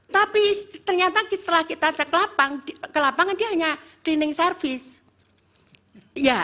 tapi ternyata setelah kita cek ke lapangan dia hanya dining service